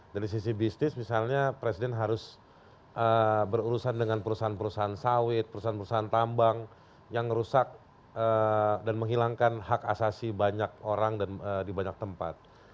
dari sisi bisnis misalnya presiden harus berurusan dengan perusahaan perusahaan sawit perusahaan perusahaan tambang yang rusak dan menghilangkan hak asasi banyak orang di banyak tempat